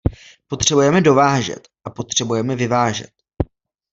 Potřebujeme dovážet a potřebujeme vyvážet.